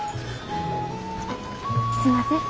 すんません。